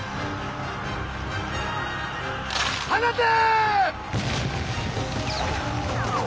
放て！